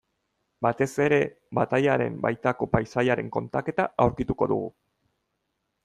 Batez ere batailaren baitako paisaiaren kontaketa aurkituko dugu.